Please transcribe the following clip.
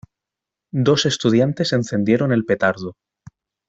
Dos estudiantes encendieron el petardo.